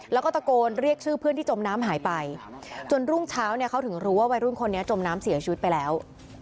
แล้วก็ตะโกนเรียกชื่อเพื่อนที่จมน้ำหายไปจนรุ่งเช้าเนี่ยเขาถึงรู้ว่าวัยรุ่นคนนี้จมน้ำเสียชีวิตไปแล้ว